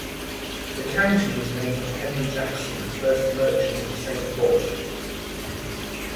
The county was named for Henry Jackson, the first merchant in Saint Paul.